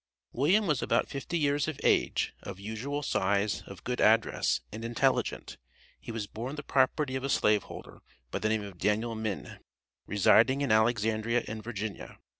William was about fifty years of age, of usual size, of good address, and intelligent. He was born the property of a slaveholder, by the name of Daniel Minne, residing in Alexandria in Virginia.